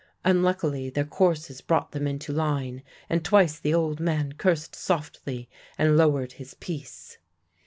Unluckily their courses brought them into line, and twice the old man cursed softly and lowered his piece.